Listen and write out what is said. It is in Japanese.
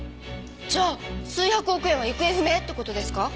じゃあ数百億円は行方不明って事ですか？